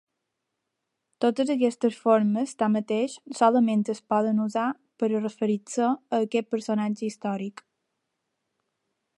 Totes aquestes formes, tanmateix, solament es poden usar per a referir-se a aquest personatge històric.